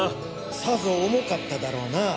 さぞ重かっただろうな。